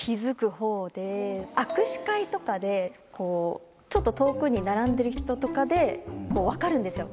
私。とかでちょっと遠くに並んでる人とかで分かるんですよ